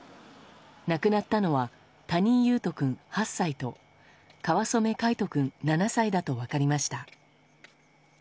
亡くなったのは谷井勇斗君、８歳と川染凱仁君、７歳だと分かりました。